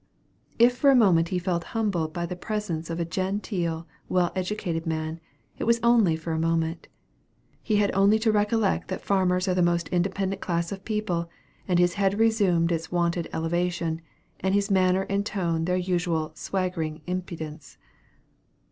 If for a moment he felt humbled by the presence of a genteel well educated man, it was only for a moment. He had only to recollect that farmers are the most independent class of people, and his head resumed its wonted elevation, his manner and tone their usual swaggering impudence.